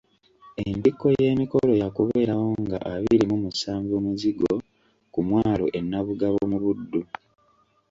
Entikko y'emikolo yaakubeerawo nga abiri mu musanvu Muzigo ku mwalo e Nabugabo mu Buddu.